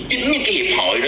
chính những cái hiệp hội đó